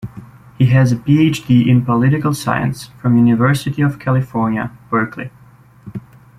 He has a Ph.D. in political science from University of California, Berkeley.